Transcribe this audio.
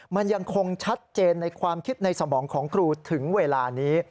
มันยังคงชัดเจนในความคิดในสมองของครูถึงเวลานี้